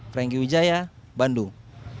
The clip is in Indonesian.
franky widjaya bandung